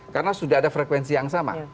karena sudah ada frekuensi yang sama